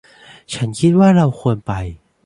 ฉันคิดว่าเราควรไป